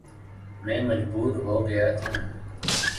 میں مجبور ہو گیا تھا